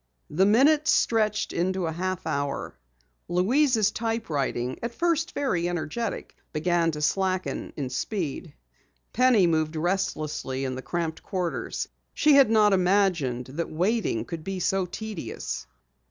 The minutes stretched into a half hour. Louise's typewriting, at first very energetic, began to slacken in speed. Penny moved restlessly in the cramped quarters. She had not imagined that waiting could be so tedious.